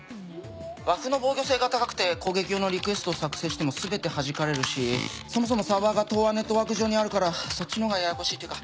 ＷＡＦの防御性が高くて攻撃用のリクエストを作成しても全てはじかれるしそもそもサーバーがＴｏｒネットワーク上にあるからそっちのほうがややこしいっていうか。